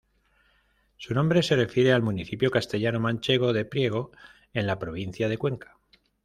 Su nombre se refiere al municipio castellano-manchego de Priego, en la provincia de Cuenca.